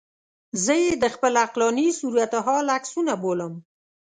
زه یې د خپل عقلاني صورتحال عکسونه بولم.